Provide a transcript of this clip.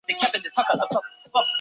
它亦是一种早期的自动步枪。